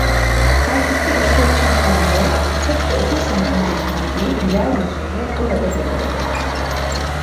Halbuki işte Çirkince, tıpkı otuz sene önceki gibi, güler yüzüyle orada duruyordu.